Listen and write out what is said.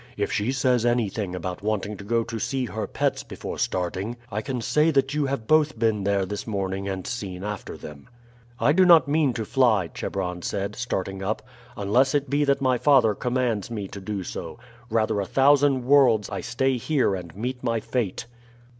If she says anything about wanting to go to see her pets before starting, I can say that you have both been there this morning and seen after them." "I do not mean to fly," Chebron said, starting up, "unless it be that my father commands me to do so. Rather a thousand worlds I stay here and meet my fate!"